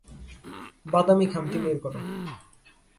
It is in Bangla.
বাদামী খামটি বের করো।